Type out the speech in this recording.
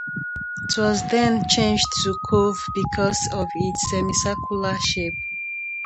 It was then changed to Cove because of its semicircular shape.